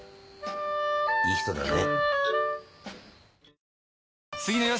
いい人だね。